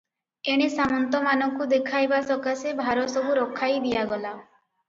ଏଣେ ସାମନ୍ତ ମାନଙ୍କୁ ଦେଖାଇବା ସକାଶେ ଭାରସବୁ ରଖାଇ ଦିଆଗଲା ।